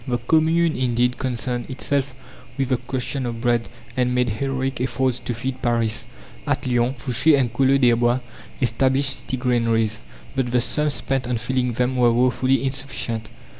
The Commune indeed concerned itself with the question of bread, and made heroic efforts to feed Paris. At Lyons, Fouché and Collot d'Herbois established city granaries, but the sums spent on filling them were woefully insufficient.